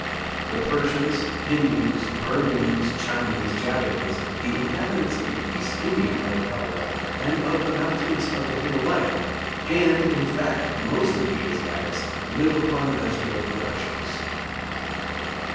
The Persians, Hindoos, Burmese, Chinese, Japanese, the inhabitants of the East Indian Archipelago, and of the mountains of the Himalaya, and, in fact, most of the Asiatics, live upon vegetable productions.'